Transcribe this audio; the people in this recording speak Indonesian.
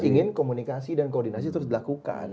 ingin komunikasi dan koordinasi terus dilakukan